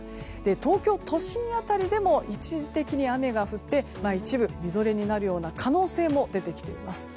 東京都心辺りでも一時的に雨が降って一部みぞれになるような可能性も出てきています。